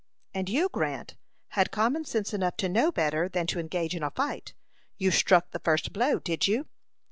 "And you, Grant, had common sense enough to know better than to engage in a fight. You struck the first blow did you?"